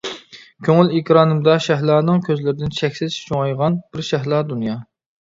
كۆڭۈل ئېكرانىمدا شەھلانىڭ كۆزلىرىدىن چەكسىز چوڭايغان بىر شەھلا دۇنيا.